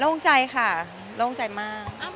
โล่งใจค่ะโล่งใจมาก